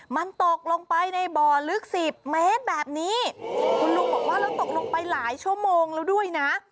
มันตกลงไปในบ่อลึกสิบเมตรแบบนี้คุณลุงบอกว่าแล้วตกลงไปหลายชั่วโมงแล้วด้วยนะ